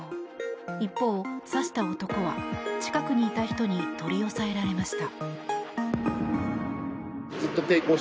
一方、刺した男は近くにいた人に取り押さえられました。